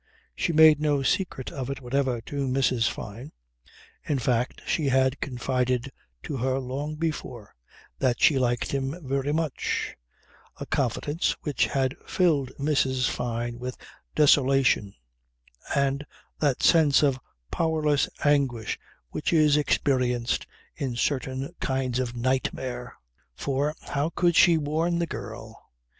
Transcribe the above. She made no secret of it whatever to Mrs. Fyne; in fact, she had confided to her, long before, that she liked him very much: a confidence which had filled Mrs. Fyne with desolation and that sense of powerless anguish which is experienced in certain kinds of nightmare. For how could she warn the girl?